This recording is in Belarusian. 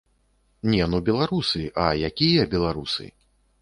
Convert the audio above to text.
Не, ну беларусы, а, якія беларусы!